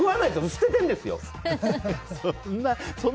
捨ててるんですよ。